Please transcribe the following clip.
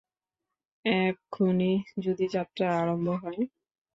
এখখুনি যদি যাত্রা আরম্ভ হয়?